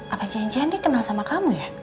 apa cian cian ini kenal sama kamu ya